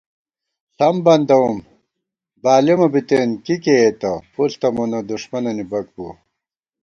ݪم بندَوُم بالېمہ بِتېن کی کېئیتہ پُݪ تہ مونہ دُݭمَنَنی بَک بُوَہ